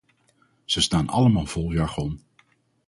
Ze staan allemaal vol jargon.